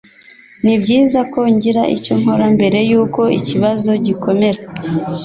Nibyiza ko ngira icyo nkora mbere yuko ikibazo gikomera.